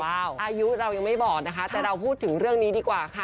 อายุเรายังไม่บอดนะคะแต่เราพูดถึงเรื่องนี้ดีกว่าค่ะ